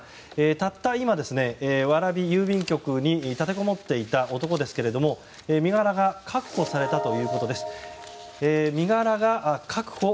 たった今、蕨郵便局に立てこもっていた男ですけども身柄が確保されたということです。